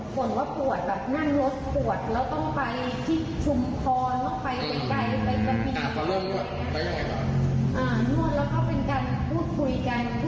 บ่นว่าปวดแบบนั่นรสปวดแล้วต้องไปที่ชุมพอต้องไปไกลไปกระที